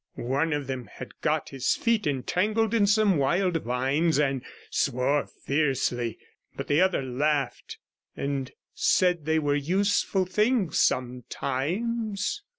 One of them had got his feet entangled in some wild vines, and swore fiercely, but the other laughed, and said they were useful things sometimes.